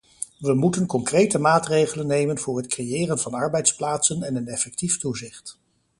We moeten concrete maatregelen nemen voor het creëren van arbeidsplaatsen en een effectief toezicht.